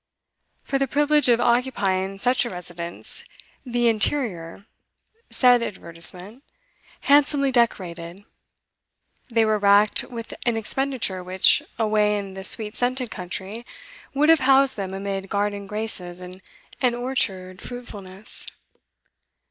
For the privilege of occupying such a residence, 'the interior,' said advertisement, 'handsomely decorated,' they were racked with an expenditure which, away in the sweet scented country, would have housed them amid garden graces and orchard fruitfulness.